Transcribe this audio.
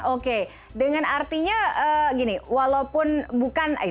oke dengan artinya gini walaupun bukan